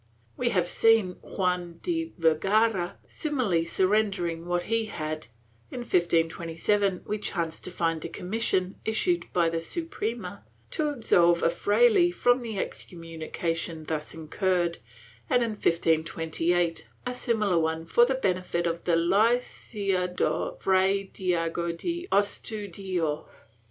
We have seen Juan de Vergara simply surrendering what he had; in 1527 we chance to find a commission, issued by the Suprema, to absolve a fraile from the excommunication thus incurred and, in 1528, a similar one for the benefit of the Licenciado Fray Diego de Astudillo.